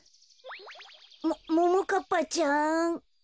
もももかっぱちゃん？